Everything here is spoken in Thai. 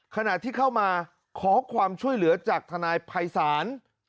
ขณะที่เข้ามาขอความช่วยเหลือจากทนายภัยศาล